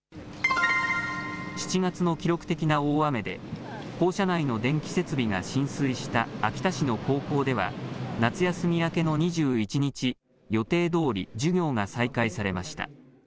７月の記録的な大雨で、校舎内の電気設備が浸水した秋田市の高校では、夏休み明けの２１日、予定どおり授業が再開されました。